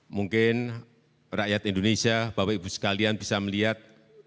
mungkin rakyat indonesia bapak ibu sekalian bisa melihat